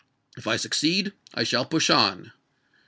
If I succeed, I shall push on."